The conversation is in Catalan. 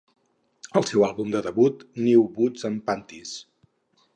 Al seu àlbum de debut, "New Boots and Panties!!"